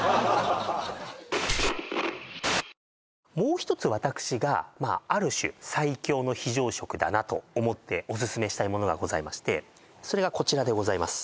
もう一つ私がある種最強の非常食だなと思ってオススメしたいものがございましてそれがこちらでございます